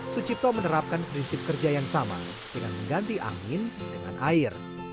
sucipto menerapkan prinsip kerja yang sama dengan mengganti angin dengan air